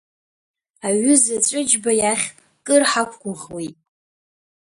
Аҩыза Ҵәыџьба иахь кыр ҳақәгәыӷуеит.